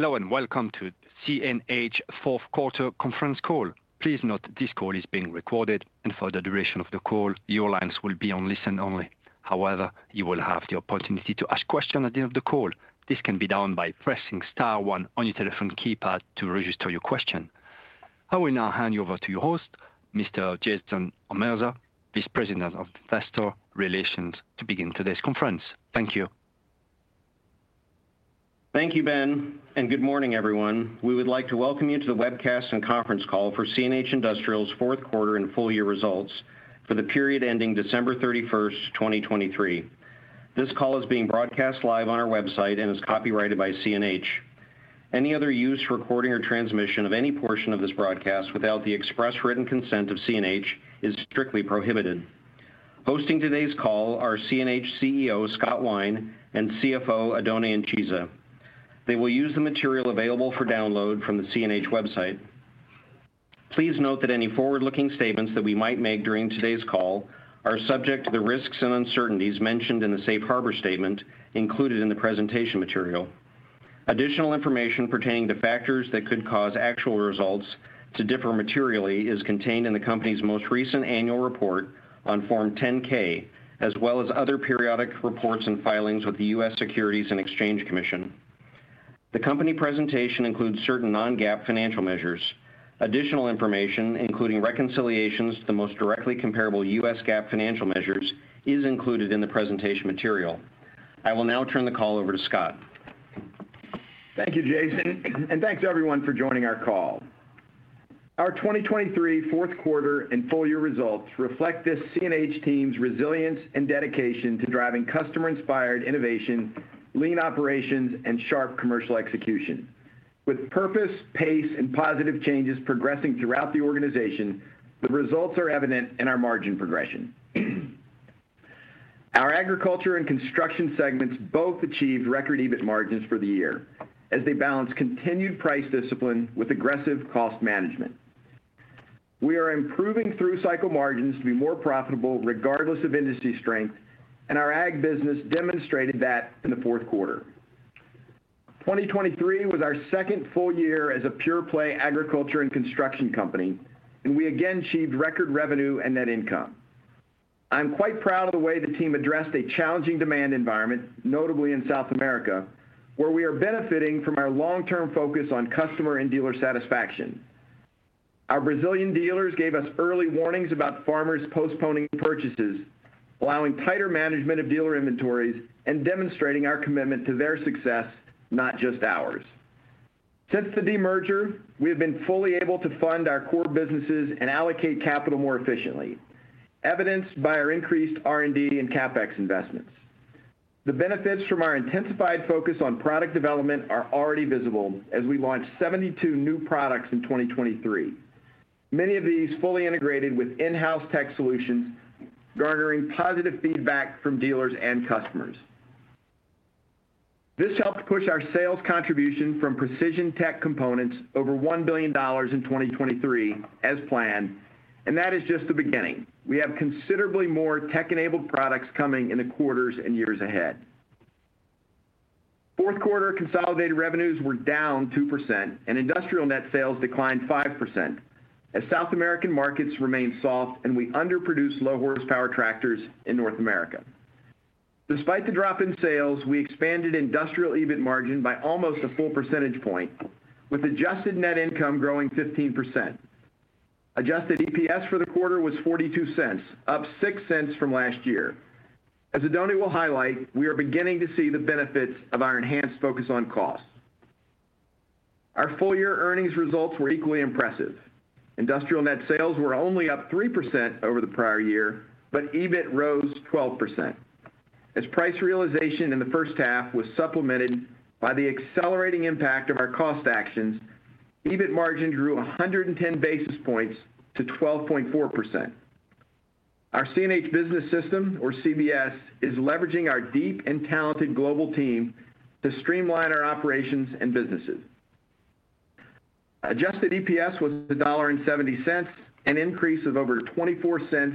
Hello, and welcome to CNH fourth quarter conference call. Please note this call is being recorded, and for the duration of the call, your lines will be on listen only. However, you will have the opportunity to ask questions at the end of the call. This can be done by pressing star one on your telephone keypad to register your question. I will now hand you over to your host, Mr. Jason Omerza, Vice President of Investor Relations, to begin today's conference. Thank you. Thank you, Ben, and good morning, everyone. We would like to welcome you to the webcast and conference call for CNH Industrial's fourth quarter and full year results for the period ending December thirty-first, twenty twenty-three. This call is being broadcast live on our website and is copyrighted by CNH. Any other use, recording, or transmission of any portion of this broadcast without the express written consent of CNH is strictly prohibited. Hosting today's call are CNH CEO, Scott Wine, and CFO, Oddone Incisa. They will use the material available for download from the CNH website. Please note that any forward-looking statements that we might make during today's call are subject to the risks and uncertainties mentioned in the Safe Harbor statement included in the presentation material. Additional information pertaining to factors that could cause actual results to differ materially is contained in the company's most recent annual report on Form 10-K, as well as other periodic reports and filings with the U.S. Securities and Exchange Commission. The company presentation includes certain non-GAAP financial measures. Additional information, including reconciliations to the most directly comparable U.S. GAAP financial measures, is included in the presentation material. I will now turn the call over to Scott. Thank you, Jason, and thanks to everyone for joining our call. Our 2023 fourth quarter and full year results reflect this CNH team's resilience and dedication to driving customer-inspired innovation, lean operations, and sharp commercial execution. With purpose, pace, and positive changes progressing throughout the organization, the results are evident in our margin progression. Our agriculture and construction segments both achieved record EBIT margins for the year, as they balanced continued price discipline with aggressive cost management. We are improving through cycle margins to be more profitable regardless of industry strength, and our ag business demonstrated that in the fourth quarter. 2023 was our second full year as a pure play agriculture and construction company, and we again achieved record revenue and net income. I'm quite proud of the way the team addressed a challenging demand environment, notably in South America, where we are benefiting from our long-term focus on customer and dealer satisfaction. Our Brazilian dealers gave us early warnings about farmers postponing purchases, allowing tighter management of dealer inventories and demonstrating our commitment to their success, not just ours. Since the demerger, we have been fully able to fund our core businesses and allocate capital more efficiently, evidenced by our increased R&D and CapEx investments. The benefits from our intensified focus on product development are already visible as we launched 72 new products in 2023. Many of these fully integrated with in-house tech solutions, garnering positive feedback from dealers and customers. This helped push our sales contribution from precision tech components over $1 billion in 2023 as planned, and that is just the beginning. We have considerably more tech-enabled products coming in the quarters and years ahead. Fourth quarter consolidated revenues were down 2%, and industrial net sales declined 5%, as South American markets remained soft and we underproduced low-horsepower tractors in North America. Despite the drop in sales, we expanded industrial EBIT margin by almost a full percentage point, with adjusted net income growing 15%. Adjusted EPS for the quarter was $0.42, up $0.06 from last year. As Oddone will highlight, we are beginning to see the benefits of our enhanced focus on cost. Our full-year earnings results were equally impressive. Industrial net sales were only up 3% over the prior year, but EBIT rose 12%. As price realization in the first half was supplemented by the accelerating impact of our cost actions, EBIT margin grew 110 basis points to 12.4%. Our CNH Business System, or CBS, is leveraging our deep and talented global team to streamline our operations and businesses. Adjusted EPS was $1.70, an increase of over $0.24 since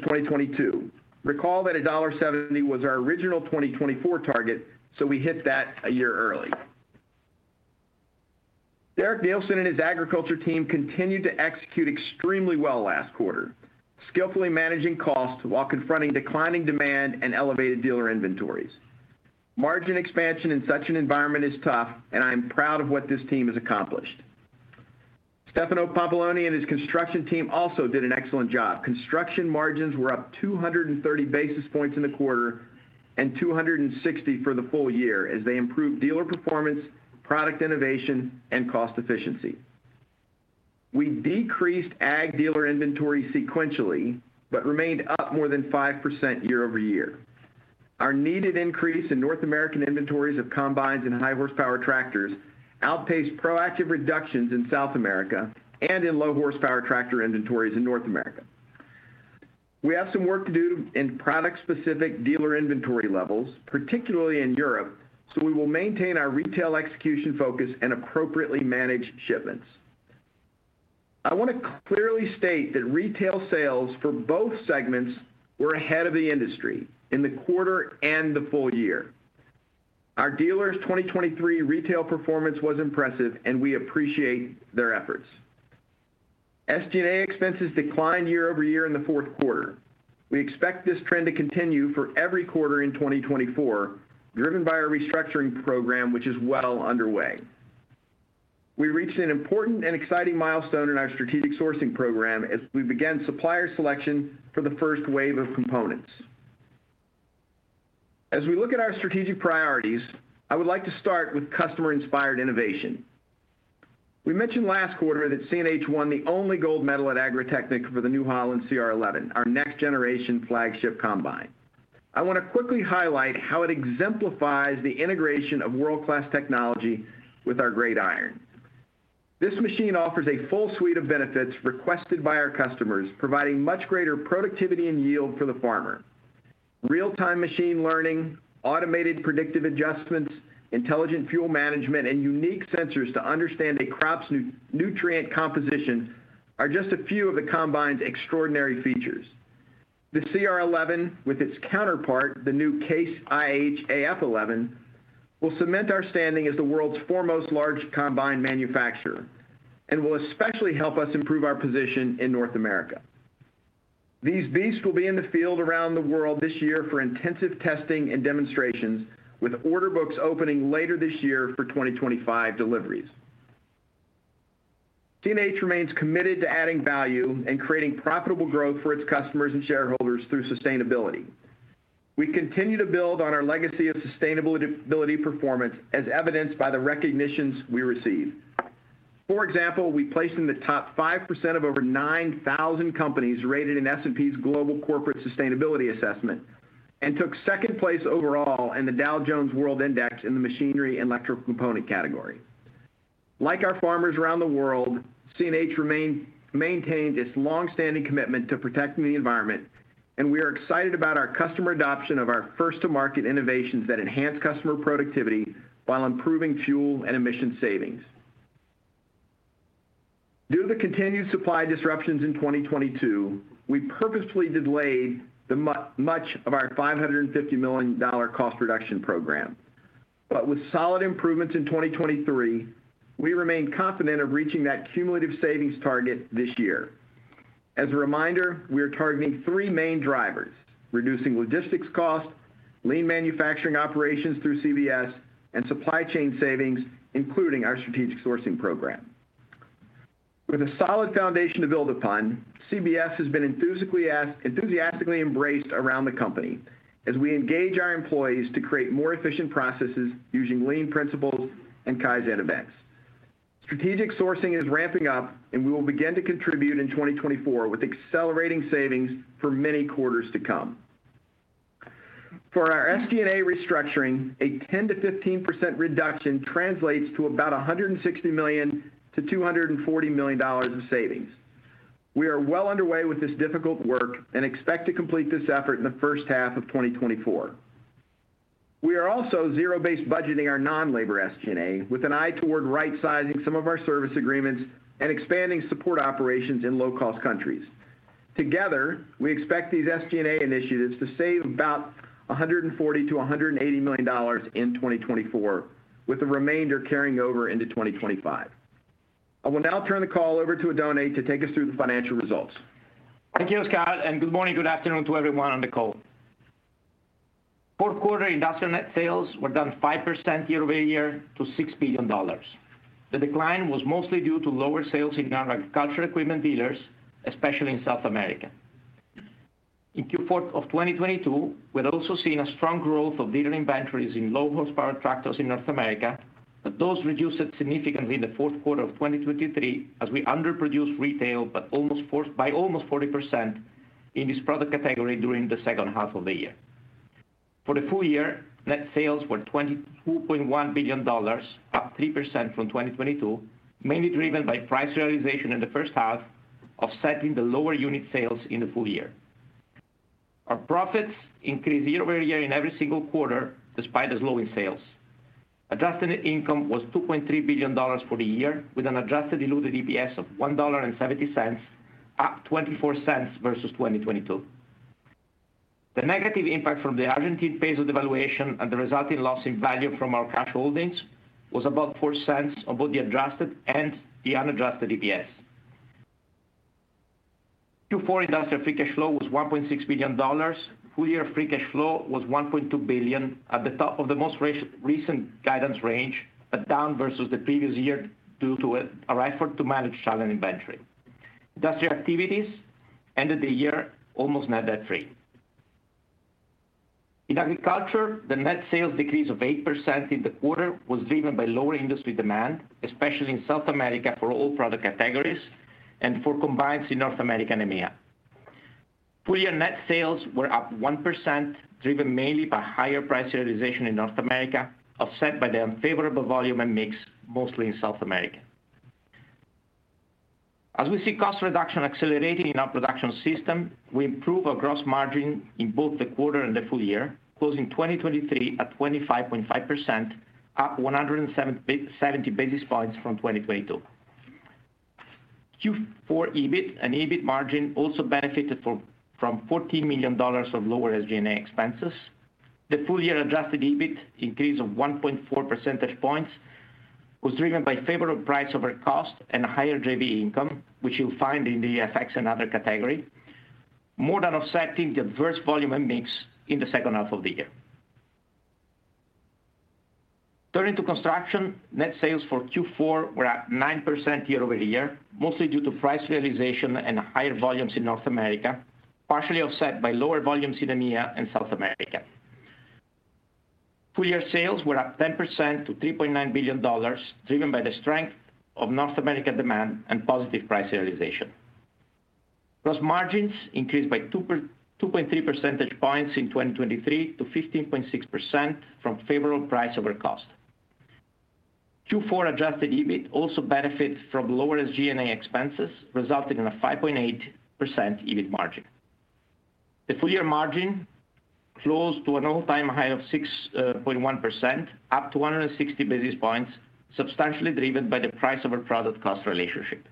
2022. Recall that $1.70 was our original 2024 target, so we hit that a year early. Derek Neilson and his agriculture team continued to execute extremely well last quarter, skillfully managing costs while confronting declining demand and elevated dealer inventories. Margin expansion in such an environment is tough, and I am proud of what this team has accomplished. Stefano Pampalone and his construction team also did an excellent job. Construction margins were up 230 basis points in the quarter and 260 for the full year as they improved dealer performance, product innovation, and cost efficiency. We decreased ag dealer inventory sequentially, but remained up more than 5% year-over-year. Our needed increase in North American inventories of combines and high horsepower tractors outpaced proactive reductions in South America and in low horsepower tractor inventories in North America. We have some work to do in product-specific dealer inventory levels, particularly in Europe, so we will maintain our retail execution focus and appropriately manage shipments. I wanna clearly state that retail sales for both segments were ahead of the industry in the quarter and the full year. Our dealers' 2023 retail performance was impressive, and we appreciate their efforts. SG&A expenses declined year-over-year in the fourth quarter. We expect this trend to continue for every quarter in 2024, driven by our restructuring program, which is well underway. We reached an important and exciting milestone in our strategic sourcing program as we began supplier selection for the first wave of components. As we look at our strategic priorities, I would like to start with customer-inspired innovation. We mentioned last quarter that CNH won the only gold medal at Agritechnica for the New Holland CR11, our next generation flagship combine. I wanna quickly highlight how it exemplifies the integration of world-class technology with our great iron. This machine offers a full suite of benefits requested by our customers, providing much greater productivity and yield for the farmer. Real-time machine learning, automated predictive adjustments, intelligent fuel management, and unique sensors to understand a crop's nutrient composition, are just a few of the combine's extraordinary features. The CR11, with its counterpart, the new Case IH AF11, will cement our standing as the world's foremost large combine manufacturer, and will especially help us improve our position in North America. These beasts will be in the field around the world this year for intensive testing and demonstrations, with order books opening later this year for 2025 deliveries. CNH remains committed to adding value and creating profitable growth for its customers and shareholders through sustainability. We continue to build on our legacy of sustainability performance, as evidenced by the recognitions we receive. For example, we placed in the top 5% of over 9,000 companies rated in S&P's Global Corporate Sustainability Assessment, and took second place overall in the Dow Jones World Index in the machinery and electric component category. Like our farmers around the world, CNH maintained its longstanding commitment to protecting the environment, and we are excited about our customer adoption of our first-to-market innovations that enhance customer productivity while improving fuel and emission savings. Due to the continued supply disruptions in 2022, we purposefully delayed much of our $550 million cost reduction program. But with solid improvements in 2023, we remain confident of reaching that cumulative savings target this year. As a reminder, we are targeting three main drivers: reducing logistics costs, lean manufacturing operations through CBS, and supply chain savings, including our strategic sourcing program. With a solid foundation to build upon, CBS has been enthusiastically embraced around the company as we engage our employees to create more efficient processes using lean principles and Kaizen events. Strategic sourcing is ramping up, and we will begin to contribute in 2024 with accelerating savings for many quarters to come. For our SG&A restructuring, a 10%-15% reduction translates to about $160 million-$240 million of savings. We are well underway with this difficult work and expect to complete this effort in the first half of 2024. We are also zero-based budgeting our non-labor SG&A, with an eye toward right-sizing some of our service agreements and expanding support operations in low-cost countries. Together, we expect these SG&A initiatives to save about $140 million-$180 million in 2024, with the remainder carrying over into 2025. I will now turn the call over to Oddone to take us through the financial results. Thank you, Scott, and good morning, good afternoon to everyone on the call. Fourth quarter industrial net sales were down 5% year-over-year to $6 billion. The decline was mostly due to lower sales in our agricultural equipment dealers, especially in South America. In Q4 of 2022, we had also seen a strong growth of dealer inventories in low-horsepower tractors in North America, but those reduced significantly in the fourth quarter of 2023, as we underproduced retail by almost 40% in this product category during the second half of the year. For the full year, net sales were $22.1 billion, up 3% from 2022, mainly driven by price realization in the first half, offsetting the lower unit sales in the full year. Our profits increased year over year in every single quarter, despite the slowdown in sales. Adjusted net income was $2.3 billion for the year, with an adjusted diluted EPS of $1.70, up $0.24 versus 2022. The negative impact from the Argentine peso devaluation and the resulting loss in value from our cash holdings was about $0.04 on both the adjusted and the unadjusted EPS. Q4 industrial free cash flow was $1.6 billion. Full year free cash flow was $1.2 billion at the top of the most recent guidance range, but down versus the previous year due to an effort to manage challenging inventory. Industrial activities ended the year almost net debt free. In agriculture, the net sales decrease of 8% in the quarter was driven by lower industry demand, especially in South America for all product categories and for combines in North America and EMEA. Full year net sales were up 1%, driven mainly by higher price realization in North America, offset by the unfavorable volume and mix, mostly in South America. As we see cost reduction accelerating in our production system, we improve our gross margin in both the quarter and the full year, closing 2023 at 25.5%, up 170 basis points from 2022. Q4 EBIT and EBIT margin also benefited from $14 million of lower SG&A expenses. The full-year adjusted EBIT increase of 1.4% points was driven by favorable price over cost and higher JV income, which you'll find in the FX and Other category, more than offsetting the adverse volume and mix in the second half of the year. Turning to construction, net sales for Q4 were at 9% year-over-year, mostly due to price realization and higher volumes in North America, partially offset by lower volumes in EMEA and South America. Full-year sales were up 10% to $3.9 billion, driven by the strength of North American demand and positive price realization. Gross margins increased by 2.3 percentage points in 2023 to 15.6% from favorable price over cost. Q4 adjusted EBIT also benefits from lower SG&A expenses, resulting in a 5.8% EBIT margin. The full year margin closed to an all-time high of 6.1%, up 160 basis points, substantially driven by the price of our product cost relationship.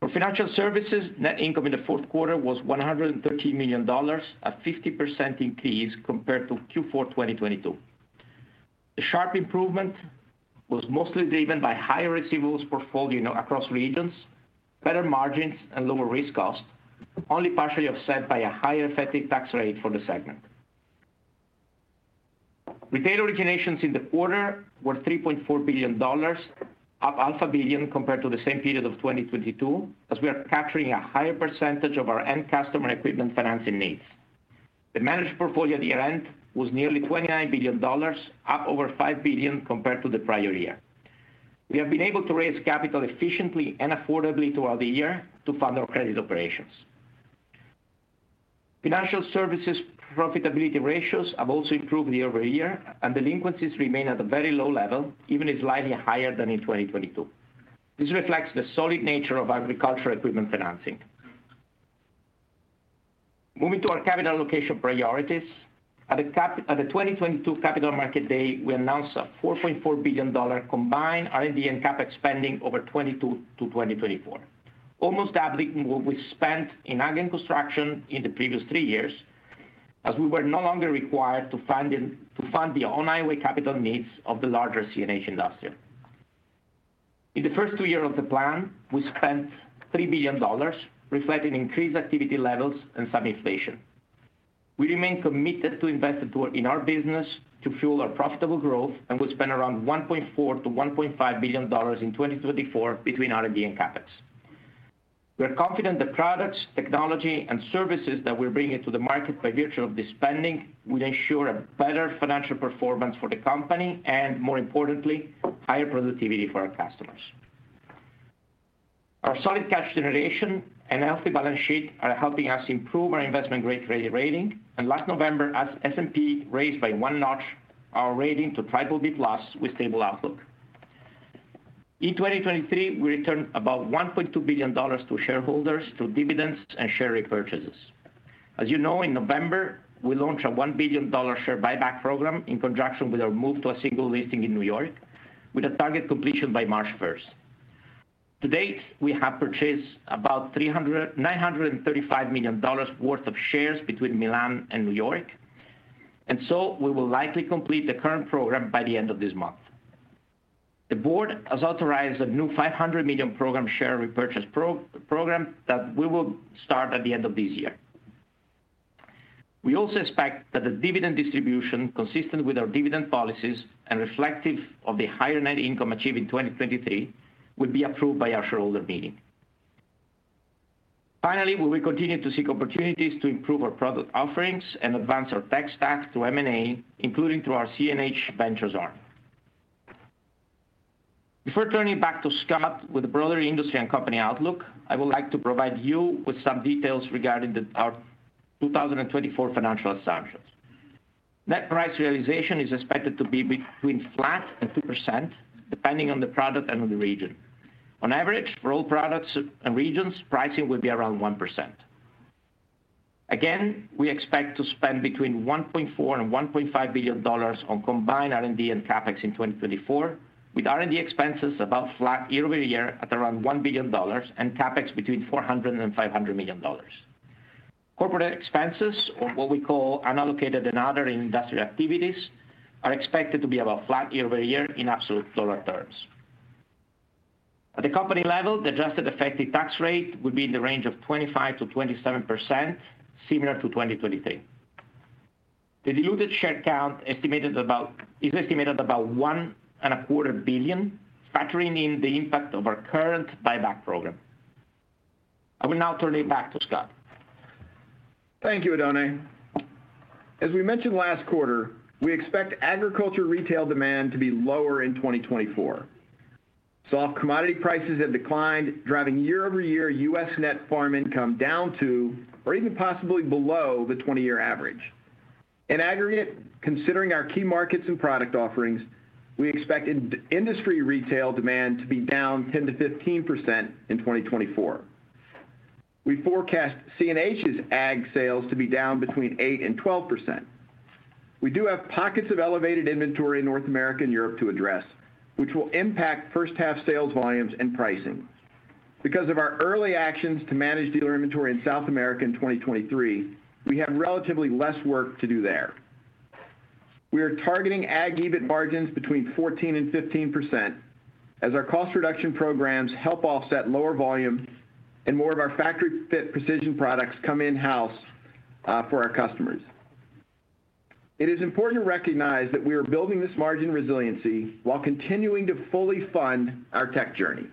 For financial services, net income in the fourth quarter was $113 million, a 50% increase compared to Q4 2022. The sharp improvement was mostly driven by higher receivables portfolio across regions, better margins, and lower risk costs, only partially offset by a higher effective tax rate for the segment. Retail originations in the quarter were $3.4 billion, up a billion compared to the same period of 2022, as we are capturing a higher percentage of our end customer equipment financing needs. The managed portfolio at year-end was nearly $29 billion, up over $5 billion compared to the prior year. We have been able to raise capital efficiently and affordably throughout the year to fund our credit operations. Financial services profitability ratios have also improved year-over-year, and delinquencies remain at a very low level, even if slightly higher than in 2022. This reflects the solid nature of agricultural equipment financing. Moving to our capital allocation priorities. At the 2022 Capital Markets Day, we announced a $4.4 billion combined R&D and CapEx spending over 2022-2024. Almost doubling what we spent in Ag and Construction in the previous three years, as we were no longer required to fund the on-highway capital needs of the larger CNH Industrial. In the first two years of the plan, we spent $3 billion, reflecting increased activity levels and some inflation. We remain committed to investing in our business to fuel our profitable growth, and we'll spend around $1.4 billion-$1.5 billion in 2024 between R&D and CapEx. We are confident the products, technology, and services that we're bringing to the market by virtue of this spending will ensure a better financial performance for the company, and more importantly, higher productivity for our customers. Our solid cash generation and healthy balance sheet are helping us improve our investment-grade credit rating. Last November, S&P raised by one notch our rating to BBB+ with stable outlook. In 2023, we returned about $1.2 billion to shareholders through dividends and share repurchases. As you know, in November, we launched a $1 billion share buyback program in conjunction with our move to a single listing in New York, with a target completion by March first. To date, we have purchased about $935 million worth of shares between Milan and New York, and so we will likely complete the current program by the end of this month. The board has authorized a new $500 million share repurchase program that we will start at the end of this year. We also expect that the dividend distribution, consistent with our dividend policies and reflective of the higher net income achieved in 2023, will be approved by our shareholder meeting. Finally, we will continue to seek opportunities to improve our product offerings and advance our tech stack through M&A, including through our CNH Ventures arm. Before turning back to Scott with the broader industry and company outlook, I would like to provide you with some details regarding our 2024 financial assumptions. Net price realization is expected to be between flat and 2%, depending on the product and on the region. On average, for all products and regions, pricing will be around 1%. Again, we expect to spend between $1.4 billion and $1.5 billion on combined R&D and CapEx in 2024, with R&D expenses about flat year-over-year at around $1 billion, and CapEx between $400 million and $500 million. Corporate expenses, or what we call unallocated and other industrial activities, are expected to be about flat year-over-year in absolute dollar terms. At the company level, the adjusted effective tax rate will be in the range of 25%-27%, similar to 2023. The diluted share count is estimated about 1.25 billion, factoring in the impact of our current buyback program. I will now turn it back to Scott. Thank you, Oddone. As we mentioned last quarter, we expect agriculture retail demand to be lower in 2024. Soft commodity prices have declined, driving year-over-year U.S. net farm income down to, or even possibly below, the 20-year average. In aggregate, considering our key markets and product offerings, we expect in-industry retail demand to be down 10%-15% in 2024. We forecast CNH's ag sales to be down between 8% and 12%. We do have pockets of elevated inventory in North America and Europe to address, which will impact first half sales volumes and pricing. Because of our early actions to manage dealer inventory in South America in 2023, we have relatively less work to do there. We are targeting ag EBIT margins between 14% and 15%, as our cost reduction programs help offset lower volume and more of our factory-fit precision products come in-house for our customers. It is important to recognize that we are building this margin resiliency while continuing to fully fund our tech journey.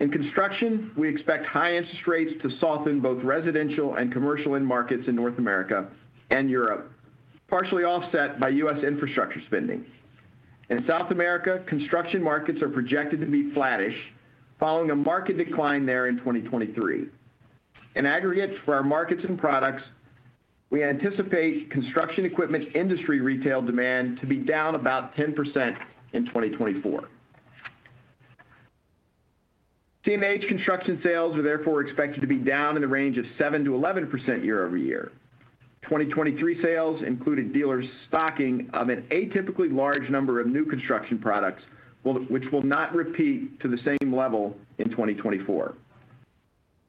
In construction, we expect high interest rates to soften both residential and commercial end markets in North America and Europe, partially offset by U.S. infrastructure spending. In South America, construction markets are projected to be flattish, following a market decline there in 2023. In aggregate, for our markets and products, we anticipate construction equipment industry retail demand to be down about 10% in 2024. CNH construction sales are therefore expected to be down in the range of 7%-11% year-over-year. 2023 sales included dealers stocking of an atypically large number of new construction products, which will not repeat to the same level in 2024.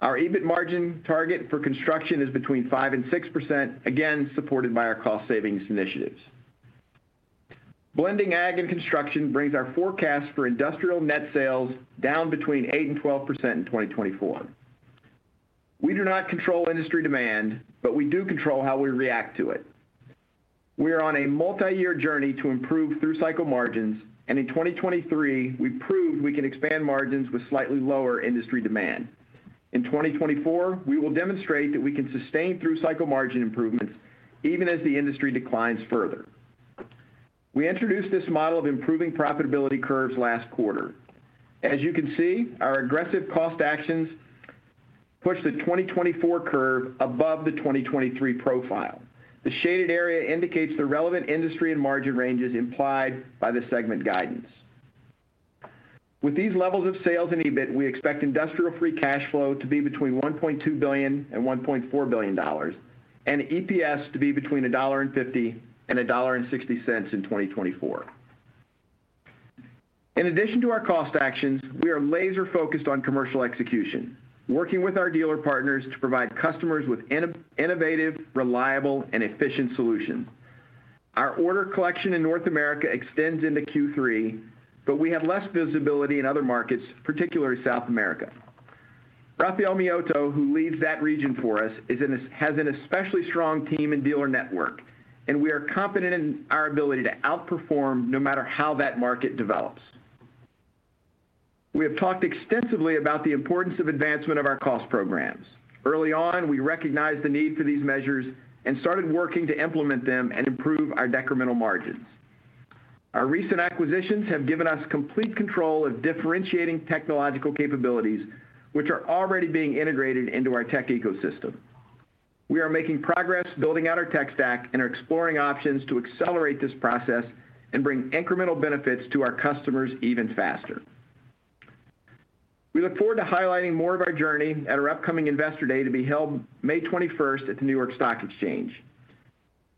Our EBIT margin target for construction is between 5% and 6%, again, supported by our cost savings initiatives. Blending ag and construction brings our forecast for industrial net sales down between 8% and 12% in 2024. We do not control industry demand, but we do control how we react to it. We are on a multi-year journey to improve through-cycle margins, and in 2023, we proved we can expand margins with slightly lower industry demand. In 2024, we will demonstrate that we can sustain through-cycle margin improvements, even as the industry declines further. We introduced this model of improving profitability curves last quarter. As you can see, our aggressive cost actions pushed the 2024 curve above the 2023 profile. The shaded area indicates the relevant industry and margin ranges implied by the segment guidance. With these levels of sales and EBIT, we expect industrial free cash flow to be between $1.2 billion and $1.4 billion, and EPS to be between $1.50 and $1.60 in 2024. In addition to our cost actions, we are laser focused on commercial execution, working with our dealer partners to provide customers with innovative, reliable, and efficient solutions. Our order collection in North America extends into Q3, but we have less visibility in other markets, particularly South America. Rafael Miotto, who leads that region for us, has an especially strong team and dealer network, and we are confident in our ability to outperform, no matter how that market develops. We have talked extensively about the importance of advancement of our cost programs. Early on, we recognized the need for these measures and started working to implement them and improve our decremental margins. Our recent acquisitions have given us complete control of differentiating technological capabilities, which are already being integrated into our tech ecosystem. We are making progress building out our tech stack and are exploring options to accelerate this process and bring incremental benefits to our customers even faster. We look forward to highlighting more of our journey at our upcoming Investor Day, to be held May 21st at the New York Stock Exchange.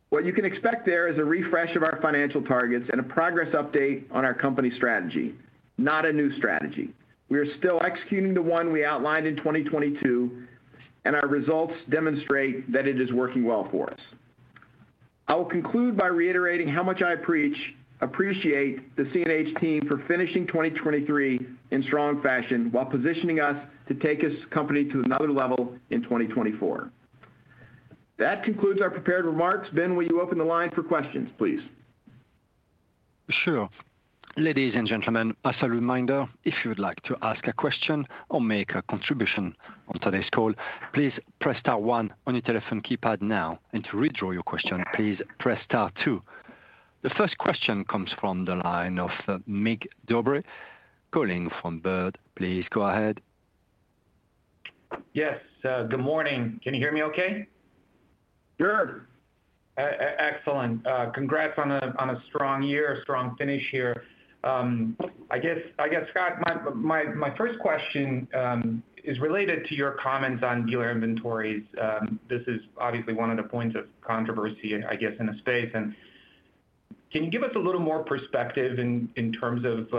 What you can expect there is a refresh of our financial targets and a progress update on our company strategy, not a new strategy. We are still executing the one we outlined in 2022, and our results demonstrate that it is working well for us. I will conclude by reiterating how much I appreciate the CNH team for finishing 2023 in strong fashion, while positioning us to take this company to another level in 2024. That concludes our prepared remarks. Ben, will you open the line for questions, please? Sure. Ladies and gentlemen, as a reminder, if you would like to ask a question or make a contribution on today's call, please press star one on your telephone keypad now, and to withdraw your question, please press star two. The first question comes from the line of Mig Dobre, calling from Baird. Please go ahead. Yes, good morning. Can you hear me okay? Sure. Excellent. Congrats on a strong year, a strong finish here. I guess, Scott, my first question is related to your comments on dealer inventories. This is obviously one of the points of controversy, I guess, in the space, and can you give us a little more perspective in terms of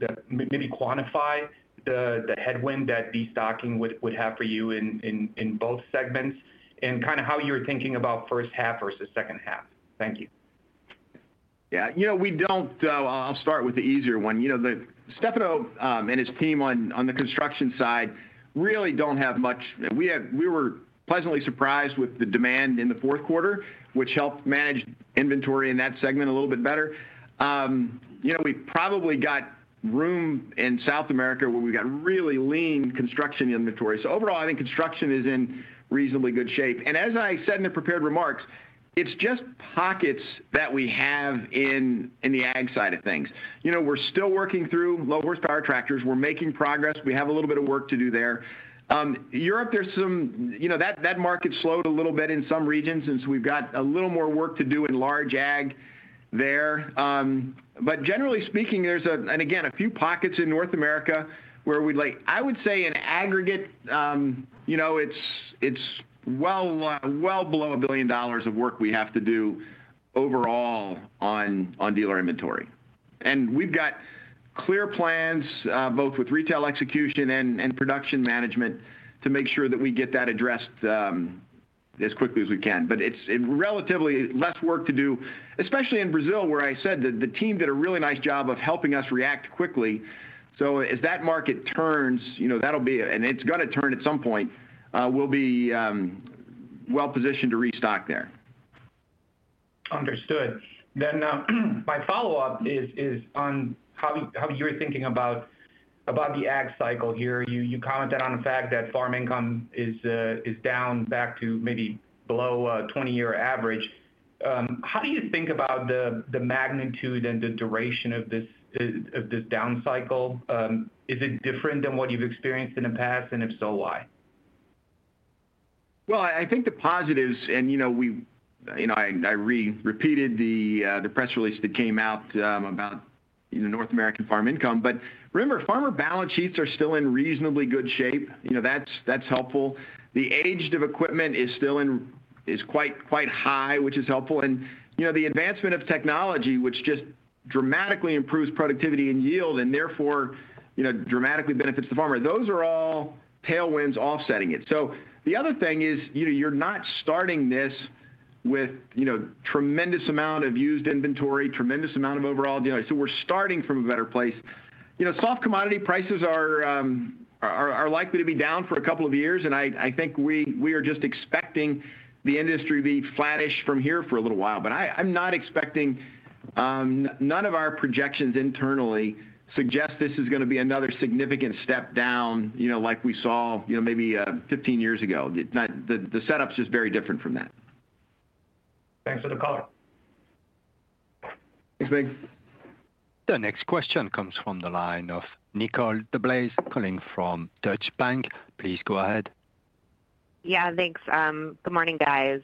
the maybe quantify the headwind that destocking would have for you in both segments, and kind of how you're thinking about first half versus second half? Thank you. Yeah. You know, we don't. I'll start with the easier one. You know, Stefano and his team on the construction side really don't have much. We were pleasantly surprised with the demand in the fourth quarter, which helped manage inventory in that segment a little bit better. You know, we probably got room in South America, where we've got really lean construction inventory. So overall, I think construction is in reasonably good shape. And as I said in the prepared remarks, it's just pockets that we have in the ag side of things. You know, we're still working through low horsepower tractors. We're making progress. We have a little bit of work to do there. Europe, there's, you know, that, that market slowed a little bit in some regions, and so we've got a little more work to do in large ag there. But generally speaking, there's, and again, a few pockets in North America where we'd, I would say in aggregate, you know, it's, it's well, well below $1 billion of work we have to do overall on, on dealer inventory. And we've got clear plans, both with retail execution and, and production management to make sure that we get that addressed, as quickly as we can. But it's relatively less work to do, especially in Brazil, where I said that the team did a really nice job of helping us react quickly. So as that market turns, you know, and it's gonna turn at some point, we'll be well positioned to restock there. Understood. Then, my follow-up is on how you're thinking about the ag cycle here. You commented on the fact that farm income is down back to maybe below 20-year average. How do you think about the magnitude and the duration of this down cycle? Is it different than what you've experienced in the past, and if so, why? Well, I think the positives and, you know, I repeated the press release that came out about North American farm income. But remember, farmer balance sheets are still in reasonably good shape. You know, that's helpful. The age of equipment is still quite high, which is helpful. And, you know, the advancement of technology, which just dramatically improves productivity and yield, and therefore, you know, dramatically benefits the farmer. Those are all tailwinds offsetting it. So the other thing is, you know, you're not starting this with, you know, tremendous amount of used inventory, tremendous amount of overall inventory. So we're starting from a better place. You know, soft commodity prices are likely to be down for a couple of years, and I think we are just expecting the industry to be flattish from here for a little while. But I'm not expecting... None of our projections internally suggest this is gonna be another significant step down, you know, like we saw, you know, maybe 15 years ago. The setup is just very different from that. Thanks for the color. Thanks, Mig. The next question comes from the line of Nicole DeBlase, calling from Deutsche Bank. Please go ahead. Yeah, thanks. Good morning, guys.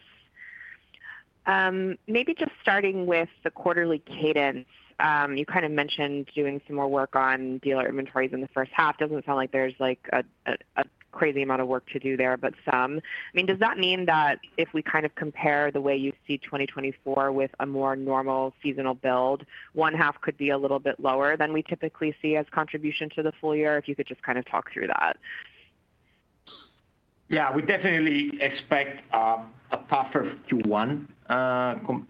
Maybe just starting with the quarterly cadence. You kind of mentioned doing some more work on dealer inventories in the first half. Doesn't sound like there's, like, a crazy amount of work to do there, but some. I mean, does that mean that if we kind of compare the way you see 2024 with a more normal seasonal build, one half could be a little bit lower than we typically see as contribution to the full year? If you could just kind of talk through that. Yeah, we definitely expect a tougher Q1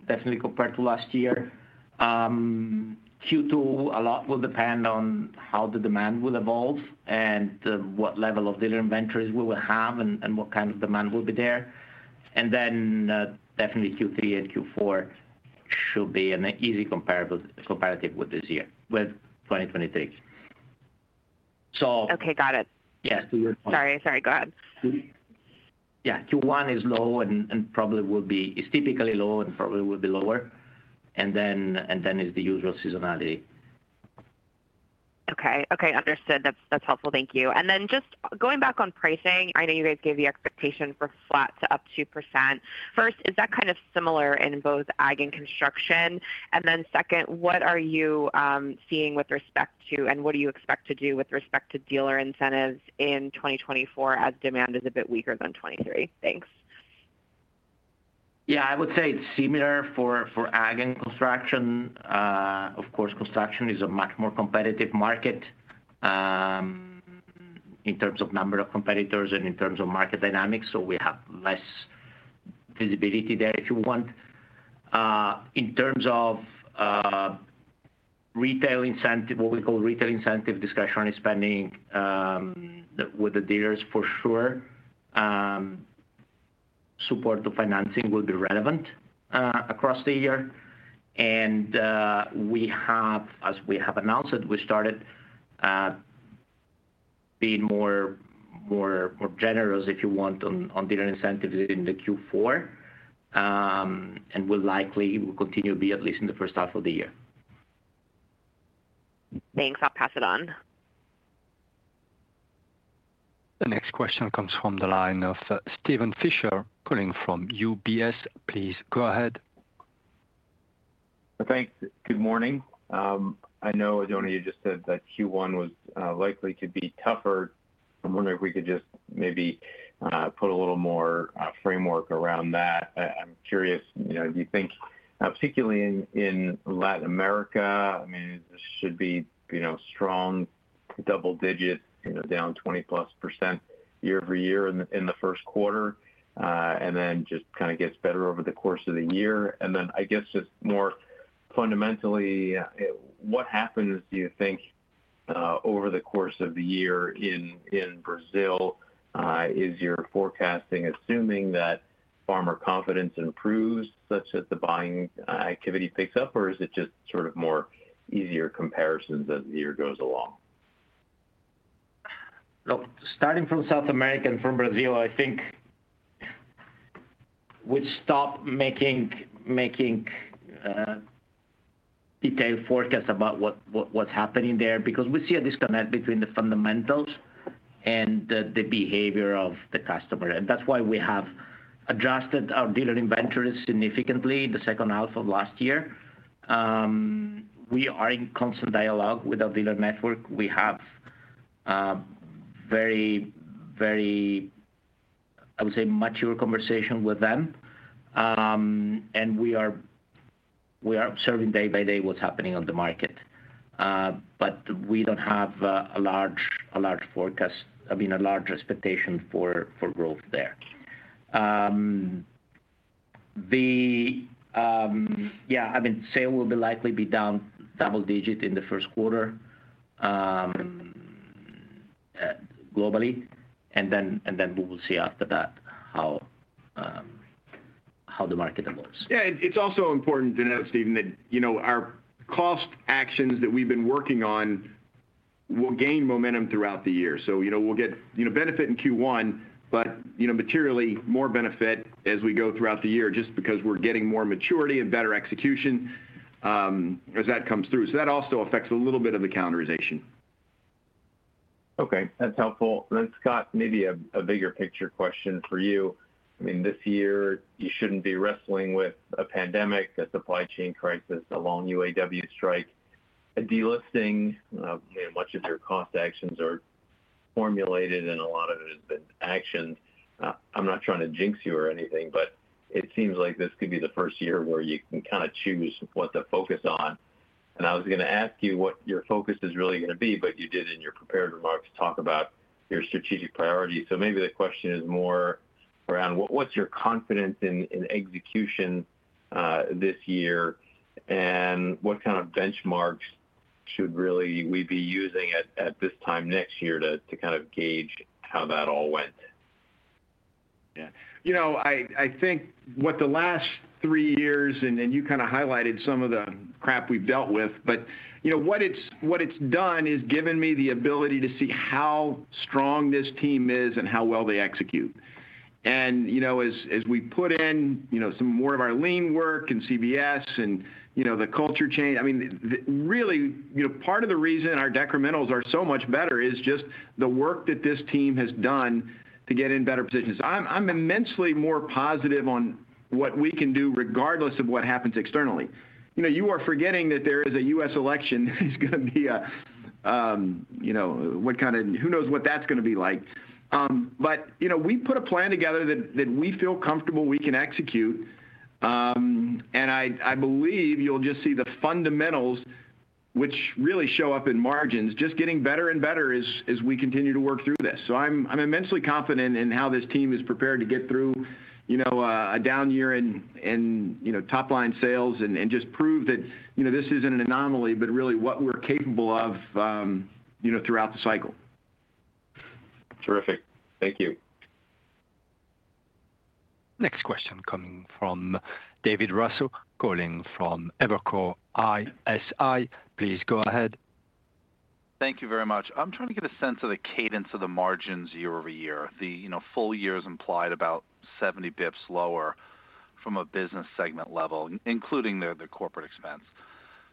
definitely compared to last year. Q2, a lot will depend on how the demand will evolve and what level of dealer inventories we will have and what kind of demand will be there. And then definitely Q3 and Q4 should be an easy comparative with this year, with 2023. So- Okay, got it. Yes, to your point. Sorry, sorry. Go ahead. Yeah, Q1 is low and probably will be. It's typically low and probably will be lower. And then it's the usual seasonality. Okay. Okay, understood. That's, that's helpful. Thank you. And then just going back on pricing, I know you guys gave the expectation for flat to up 2%. First, is that kind of similar in both ag and construction? And then second, what are you seeing with respect to, and what do you expect to do with respect to dealer incentives in 2024, as demand is a bit weaker than 2023? Thanks. Yeah, I would say it's similar for ag and construction. Of course, construction is a much more competitive market in terms of number of competitors and in terms of market dynamics, so we have less visibility there, if you want. In terms of retail incentive, what we call retail incentive, discretionary spending with the dealers for sure, support to financing will be relevant across the year. And we have, as we have announced it, we started being more, more, more generous, if you want, on dealer incentives in the Q4 and will likely continue to be at least in the first half of the year. Thanks. I'll pass it on. The next question comes from the line of, Steven Fisher, calling from UBS. Please go ahead. Thanks. Good morning. I know, Oddone, you just said that Q1 was likely to be tougher. I'm wondering if we could just maybe put a little more framework around that. I'm curious, you know, do you think, particularly in Latin America, I mean, this should be, you know, strong double digits, you know, down 20+% year-over-year in the first quarter, and then just kind of gets better over the course of the year. And then, I guess, just more fundamentally, what happens, do you think, over the course of the year in Brazil? Is your forecasting assuming that farmer confidence improves, such that the buying activity picks up, or is it just sort of more easier comparisons as the year goes along? ... Well, starting from South America and from Brazil, I think we stop making detailed forecasts about what's happening there, because we see a disconnect between the fundamentals and the behavior of the customer. And that's why we have adjusted our dealer inventories significantly in the second half of last year. We are in constant dialogue with our dealer network. We have very mature conversation with them. And we are observing day by day what's happening on the market. But we don't have a large forecast, I mean, a large expectation for growth there. The, yeah, I mean, sales will likely be down double digit in the first quarter globally, and then we will see after that how the market evolves. Yeah, it's also important to note, Steven, that, you know, our cost actions that we've been working on will gain momentum throughout the year. So, you know, we'll get, you know, benefit in Q1, but, you know, materially more benefit as we go throughout the year, just because we're getting more maturity and better execution, as that comes through. So that also affects a little bit of the calendarization. Okay, that's helpful. Then, Scott, maybe a bigger picture question for you. I mean, this year, you shouldn't be wrestling with a pandemic, a supply chain crisis, a long UAW strike, a delisting. You know, much of your cost actions are formulated, and a lot of it has been actioned. I'm not trying to jinx you or anything, but it seems like this could be the first year where you can kind of choose what to focus on. And I was gonna ask you what your focus is really gonna be, but you did in your prepared remarks, talk about your strategic priorities. So maybe the question is more around what's your confidence in execution this year? And what kind of benchmarks should really we be using at this time next year to kind of gauge how that all went? Yeah. You know, I think what the last three years, and you kind of highlighted some of the crap we've dealt with, but, you know, what it's done is given me the ability to see how strong this team is and how well they execute. And, you know, as we put in, you know, some more of our lean work and CBS and, you know, the culture change, I mean, the really, you know, part of the reason our decrementals are so much better is just the work that this team has done to get in better positions. I'm immensely more positive on what we can do, regardless of what happens externally. You know, you are forgetting that there is a U.S. election that is gonna be a, you know, what kind of, who knows what that's gonna be like? But, you know, we've put a plan together that we feel comfortable we can execute. And I believe you'll just see the fundamentals, which really show up in margins, just getting better and better as we continue to work through this. So I'm immensely confident in how this team is prepared to get through, you know, a down year in top-line sales and just prove that, you know, this isn't an anomaly, but really what we're capable of, you know, throughout the cycle. Terrific. Thank you. Next question coming from David Raso, calling from Evercore ISI. Please go ahead. Thank you very much. I'm trying to get a sense of the cadence of the margins year over year. The, you know, full year is implied about 70 basis points lower from a business segment level, including the corporate expense.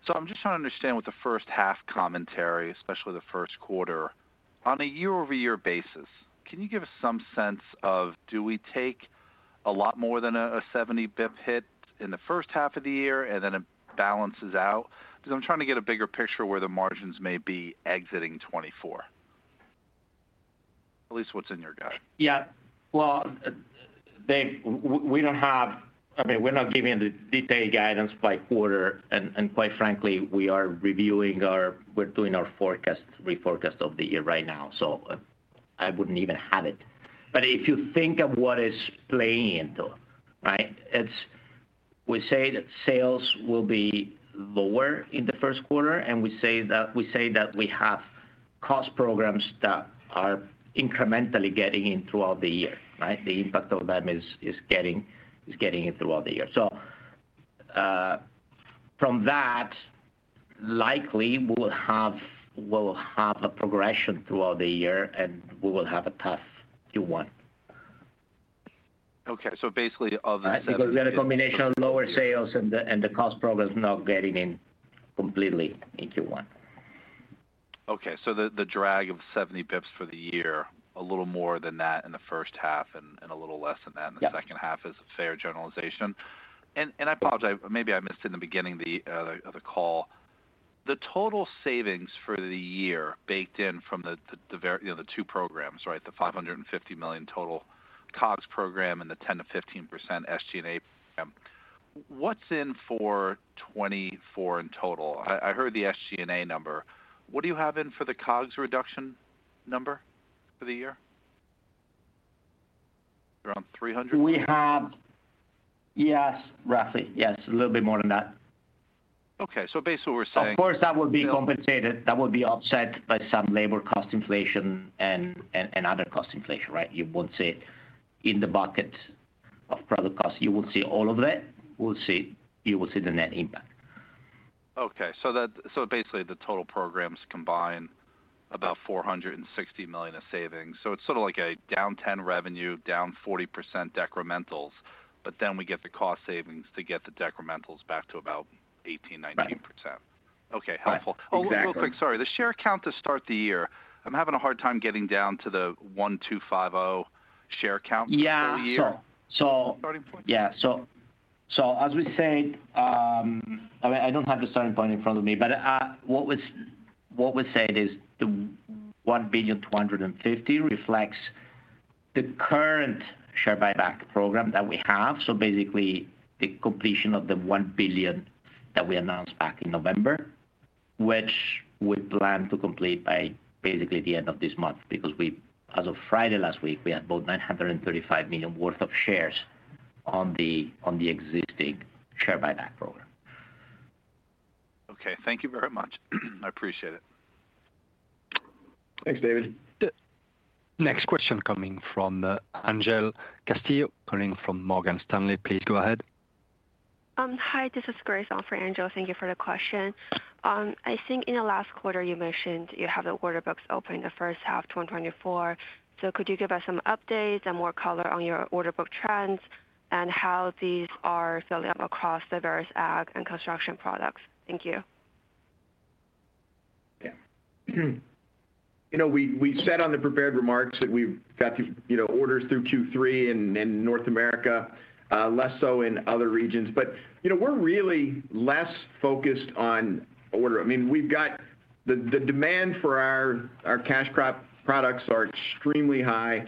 So I'm just trying to understand what the first half commentary, especially the first quarter, on a year-over-year basis. Can you give us some sense of do we take a lot more than a 70 basis point hit in the first half of the year, and then it balances out? Because I'm trying to get a bigger picture where the margins may be exiting 2024. At least what's in your guide. Yeah. Well, Dave, we don't have—I mean, we're not giving the detailed guidance by quarter, and quite frankly, we are reviewing our—we're doing our forecast, reforecast of the year right now, so I wouldn't even have it. But if you think of what is playing into it, right? We say that sales will be lower in the first quarter, and we say that we have cost programs that are incrementally getting in throughout the year, right? The impact of them is getting in throughout the year. So, from that, likely we will have, we'll have a progression throughout the year, and we will have a tough Q1. Okay, so basically, of the- I think we've got a combination of lower sales and the cost programs not getting in completely in Q1. Okay, so the drag of 70 basis points for the year, a little more than that in the first half and a little less than that- Yeah... in the second half is a fair generalization? And I apologize, maybe I missed in the beginning of the call. The total savings for the year, baked in from the var- you know, the two programs, right? The $550 million total COGS program and the 10%-15% SG&A program. What's in for 2024 in total? I heard the SG&A number. What do you have in for the COGS reduction number for the year? Around $300 million? We have... Yes, roughly. Yes, a little bit more than that. Okay, so basically what we're saying- Of course, that would be compensated, that would be offset by some labor cost inflation and other cost inflation, right? You won't see in the bucket of product cost, you will see all of that. You will see, you will see the net impact.... Okay, basically the total programs combine about $460 million of savings. So it's sort of like a down 10 revenue, down 40% decrementals, but then we get the cost savings to get the decrementals back to about 18%-19%. Right. Okay, helpful. Exactly. Oh, real quick, sorry. The share count to start the year. I'm having a hard time getting down to the 1,250 share count for the year. Yeah. So- Starting point? Yeah, so as we said, I don't have the starting point in front of me, but what was said is the $1.25 billion reflects the current share buyback program that we have. So basically, the completion of the $1 billion that we announced back in November, which we plan to complete by basically the end of this month. Because as of Friday last week, we had about $935 million worth of shares on the existing share buyback program. Okay, thank you very much. I appreciate it. Thanks, David. The next question coming from, Angel Castillo, calling from Morgan Stanley. Please go ahead. Hi, this is Grace on for Angel. Thank you for the question. I think in the last quarter you mentioned you have the order books open in the first half of 2024. Could you give us some updates and more color on your order book trends, and how these are filling up across the various ag and construction products? Thank you. Yeah. You know, we, we said on the prepared remarks that we've got, you know, orders through Q3 in, in North America, less so in other regions. But, you know, we're really less focused on order. I mean, we've got the, the demand for our, our cash crop products are extremely high,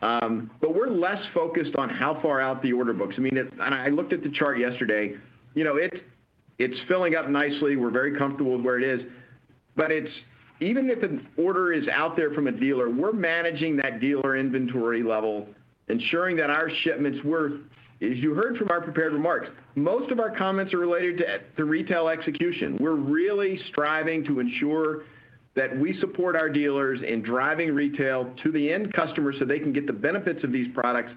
but we're less focused on how far out the order books. I mean, and I looked at the chart yesterday, you know, it, it's filling up nicely. We're very comfortable with where it is. But it's—even if an order is out there from a dealer, we're managing that dealer inventory level, ensuring that our shipments were... As you heard from our prepared remarks, most of our comments are related to the retail execution. We're really striving to ensure that we support our dealers in driving retail to the end customer, so they can get the benefits of these products,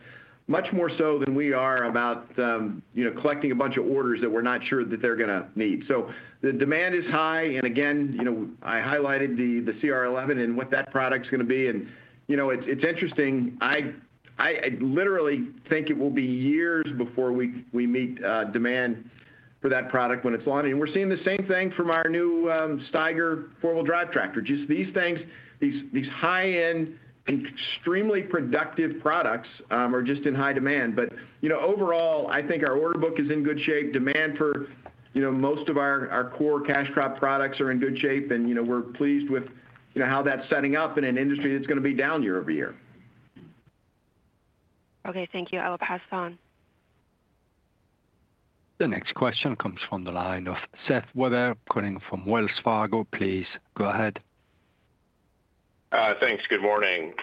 much more so than we are about, you know, collecting a bunch of orders that we're not sure that they're going to need. So the demand is high, and again, you know, I highlighted the CR11 and what that product's going to be. And, you know, it's interesting, I literally think it will be years before we meet demand for that product when it's launching. And we're seeing the same thing from our new Steiger four-wheel drive tractor. Just these things, these high-end, extremely productive products, are just in high demand. But, you know, overall, I think our order book is in good shape. Demand for, you know, most of our core cash crop products are in good shape, and, you know, we're pleased with, you know, how that's setting up in an industry that's going to be down year over year. Okay, thank you. I will pass on. The next question comes from the line of Seth Weber, calling from Wells Fargo. Please go ahead. Thanks. Good morning.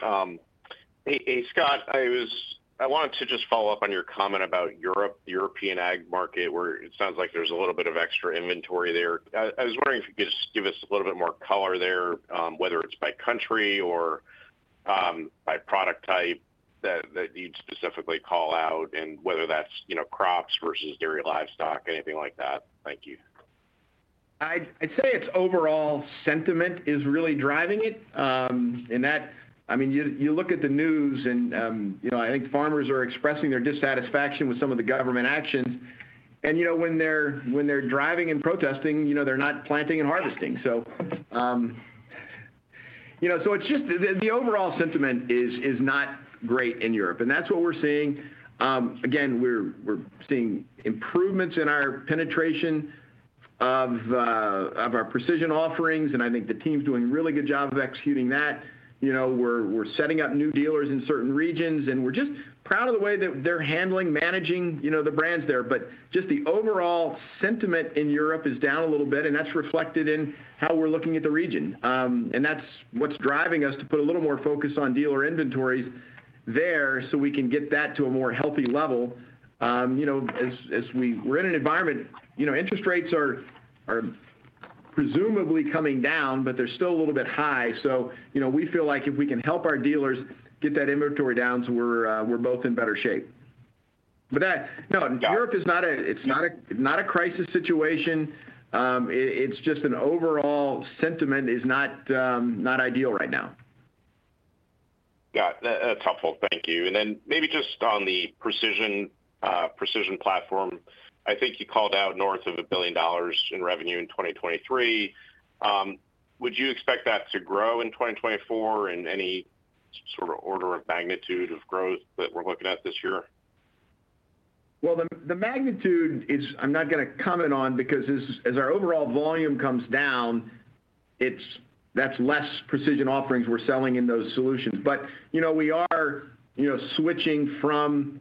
Hey, Scott, I wanted to just follow up on your comment about Europe, the European ag market, where it sounds like there's a little bit of extra inventory there. I was wondering if you could just give us a little bit more color there, whether it's by country or by product type, that you'd specifically call out, and whether that's, you know, crops versus dairy livestock, anything like that. Thank you. I'd say it's overall sentiment is really driving it. And that—I mean, you look at the news and, you know, I think farmers are expressing their dissatisfaction with some of the government actions. And, you know, when they're driving and protesting, you know, they're not planting and harvesting. So, you know, so it's just the overall sentiment is not great in Europe, and that's what we're seeing. Again, we're seeing improvements in our penetration of our precision offerings, and I think the team's doing a really good job of executing that. You know, we're setting up new dealers in certain regions, and we're just proud of the way that they're handling, managing, you know, the brands there. But just the overall sentiment in Europe is down a little bit, and that's reflected in how we're looking at the region. And that's what's driving us to put a little more focus on dealer inventories there, so we can get that to a more healthy level. You know, as we're in an environment, you know, interest rates are presumably coming down, but they're still a little bit high. So, you know, we feel like if we can help our dealers get that inventory down, so we're both in better shape. But that... No, Europe is not a crisis situation. It's just an overall sentiment is not ideal right now. Got it. That's helpful. Thank you. And then maybe just on the precision, precision platform, I think you called out north of $1 billion in revenue in 2023. Would you expect that to grow in 2024? And any sort of order of magnitude of growth that we're looking at this year? Well, the magnitude is, I'm not going to comment on, because as our overall volume comes down, it's—that's less precision offerings we're selling in those solutions. But, you know, we are, you know, switching from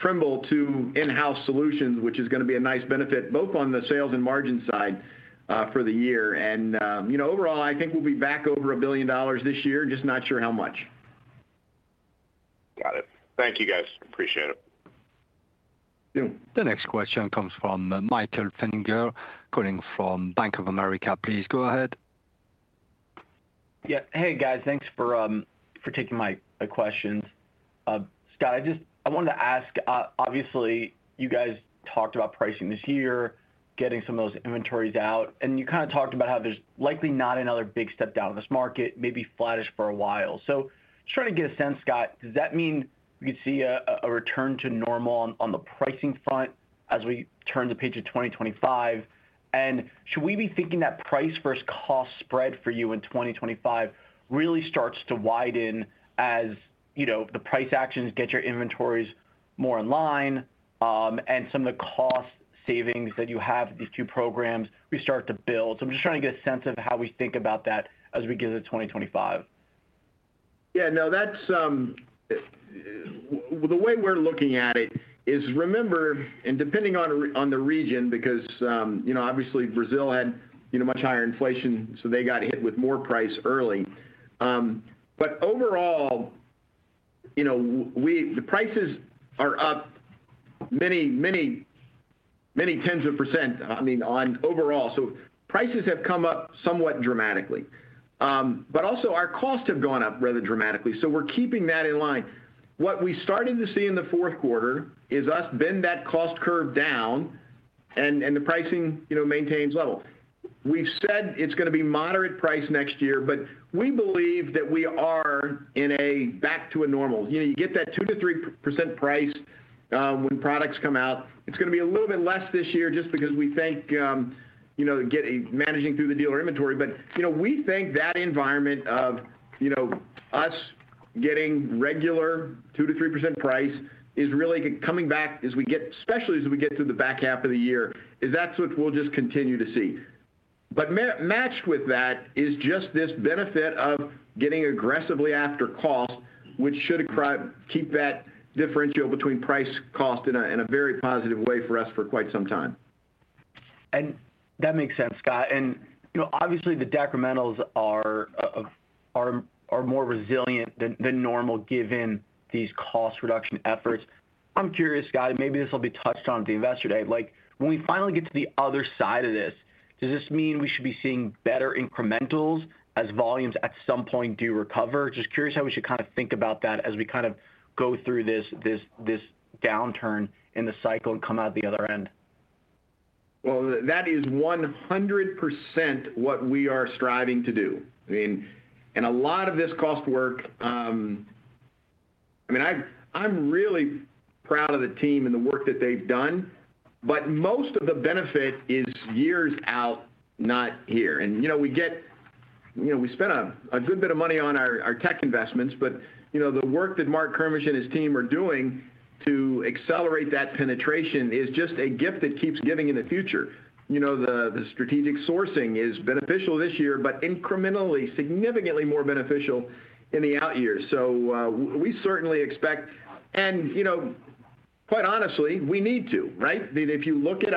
Trimble to in-house solutions, which is going to be a nice benefit both on the sales and margin side, for the year. And, you know, overall, I think we'll be back over $1 billion this year, just not sure how much. Got it. Thank you, guys. Appreciate it. Yeah. The next question comes from Michael Feniger, calling from Bank of America. Please go ahead.... Yeah. Hey, guys, thanks for taking my questions. Scott, I just wanted to ask, obviously, you guys talked about pricing this year, getting some of those inventories out, and you kind of talked about how there's likely not another big step down in this market, maybe flattish for a while. So just trying to get a sense, Scott, does that mean we could see a return to normal on the pricing front as we turn the page to 2025? And should we be thinking that price versus cost spread for you in 2025 really starts to widen, as, you know, the price actions get your inventories more in line, and some of the cost savings that you have with these two programs we start to build? I'm just trying to get a sense of how we think about that as we get to 2025. Yeah, no, that's the way we're looking at it is, remember, and depending on the region, because you know, obviously Brazil had much higher inflation, so they got hit with more price early. But overall, you know, we the prices are up many, many, many tens of %, I mean, on overall. So prices have come up somewhat dramatically. But also our costs have gone up rather dramatically, so we're keeping that in line. What we started to see in the fourth quarter is us bend that cost curve down and the pricing, you know, maintains level. We've said it's going to be moderate price next year, but we believe that we are in a back to a normal. You know, you get that 2%-3% price when products come out. It's going to be a little bit less this year just because we think, you know, managing through the dealer inventory. But, you know, we think that environment of, you know, us getting regular 2%-3% price is really coming back as we get, especially as we get through the back half of the year, is that's what we'll just continue to see. But matched with that is just this benefit of getting aggressively after cost, which should keep that differential between price, cost in a, in a very positive way for us for quite some time. And that makes sense, Scott. You know, obviously, the decrementals are more resilient than normal, given these cost reduction efforts. I'm curious, Scott, maybe this will be touched on at the Investor Day. Like, when we finally get to the other side of this, does this mean we should be seeing better incrementals as volumes at some point do recover? Just curious how we should kind of think about that as we kind of go through this downturn in the cycle and come out the other end. Well, that is 100% what we are striving to do. I mean, and a lot of this cost work, I mean, I, I'm really proud of the team and the work that they've done, but most of the benefit is years out, not here. And, you know, you know, we spent a good bit of money on our tech investments, but, you know, the work that Marc Kermisch and his team are doing to accelerate that penetration is just a gift that keeps giving in the future. You know, the strategic sourcing is beneficial this year, but incrementally, significantly more beneficial in the out years. So, we certainly expect—and, you know, quite honestly, we need to, right? I mean, if you look at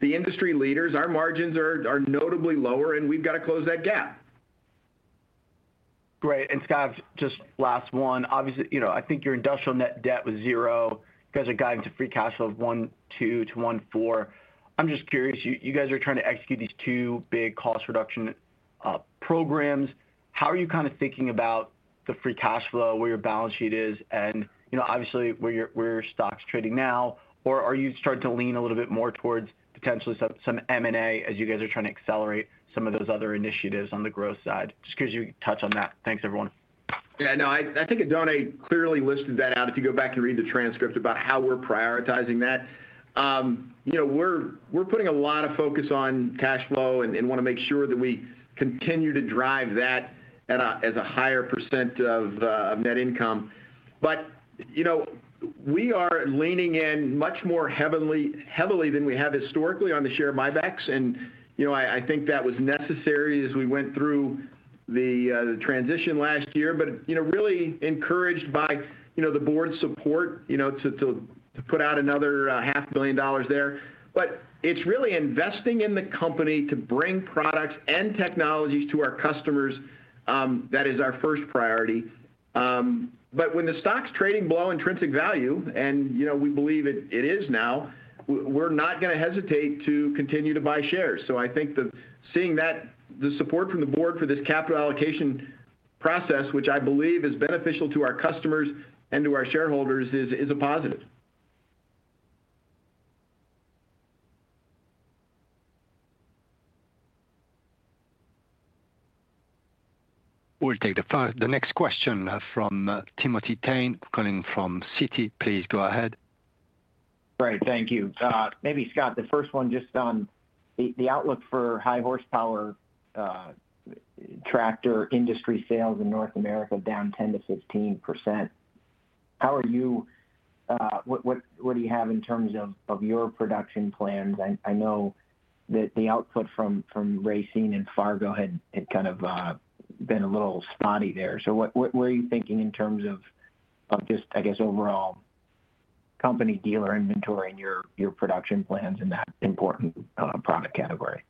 the industry leaders, our margins are notably lower, and we've got to close that gap. Great. And Scott, just last one. Obviously, you know, I think your industrial net debt was $0. You guys are guiding to free cash flow of $1.2 billion-$1.4 billion. I'm just curious, you, you guys are trying to execute these two big cost reduction programs. How are you kind of thinking about the free cash flow, where your balance sheet is, and, you know, obviously, where your, where your stock's trading now? Or are you starting to lean a little bit more towards potentially some, some M&A, as you guys are trying to accelerate some of those other initiatives on the growth side? Just could you touch on that. Thanks, everyone. Yeah, no, I think Oddone clearly listed that out, if you go back and read the transcript about how we're prioritizing that. You know, we're putting a lot of focus on cash flow and want to make sure that we continue to drive that at a higher % of net income. But, you know, we are leaning in much more heavily than we have historically on the share buybacks. And, you know, I think that was necessary as we went through the transition last year, but, you know, really encouraged by the board's support to put out another $500 million there. But it's really investing in the company to bring products and technologies to our customers, that is our first priority. But when the stock's trading below intrinsic value, and, you know, we believe it is now, we're not going to hesitate to continue to buy shares. So I think that seeing that, the support from the board for this capital allocation process, which I believe is beneficial to our customers and to our shareholders, is a positive. We'll take the next question from Timothy Thein, calling from Citi. Please go ahead. Great. Thank you. Maybe, Scott, the first one, just on the, the outlook for high horsepower tractor industry sales in North America, down 10%-15%. How are you—what, what, what do you have in terms of, of your production plans? I, I know that the output from, from Racine and Fargo had, had kind of, been a little spotty there. So what, what, what are you thinking in terms of, of just, I guess, overall company dealer inventory and your, your production plans in that important product category?